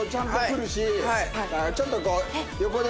ちょっとこう。